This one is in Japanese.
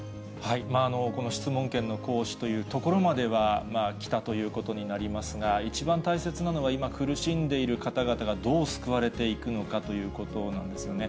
この質問権の行使というところまでは来たということになりますが、一番大切なのは、今、苦しんでいる方々がどう救われていくのかということなんですよね。